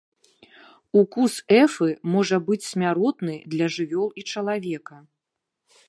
Укус эфы можа быць смяротны для жывёл і чалавека.